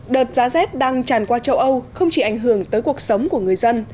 đợt giá rét đang tràn qua châu âu không chỉ ảnh hưởng tới cuộc sống của người dân